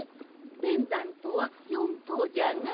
ペンダントは４とうじゃが。